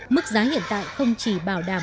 mức giá hiện tại không chỉ bảo đảm